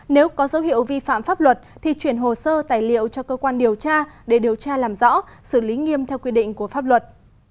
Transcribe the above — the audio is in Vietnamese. nếu có dấu hiệu vi phạm pháp luật thì chuyển hồ sơ tài liệu cho cơ quan điều tra để điều tra làm rõ xử lý nghiêm theo quy định của pháp luật